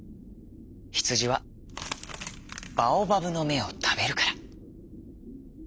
ヒツジはバオバブのめをたべるから。